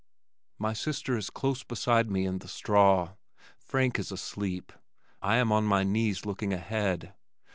My sister is close beside me in the straw. Frank is asleep. I am on my knees looking ahead.